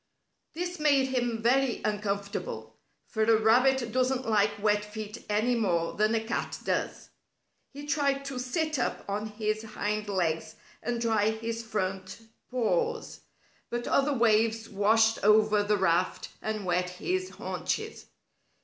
This made him very uncomfortable, for a rabbit doesn't like wet feet any more than a cat does. He tried to sit up on his hind legs and dry his front paws, but other waves washed over the raft and wet his haunches.